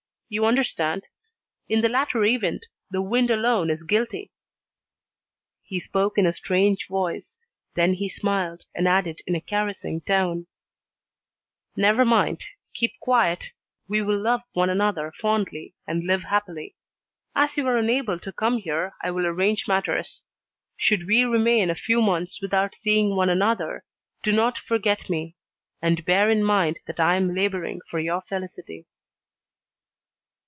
You understand. In the latter event, the wind alone is guilty." He spoke in a strange voice. Then he smiled, and added in a caressing tone: "Never mind, keep quiet. We will love one another fondly, and live happily. As you are unable to come here, I will arrange matters. Should we remain a few months without seeing one another, do not forget me, and bear in mind that I am labouring for your felicity."